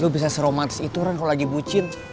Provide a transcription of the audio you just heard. lo bisa seromantis itu ren kalau lagi bucin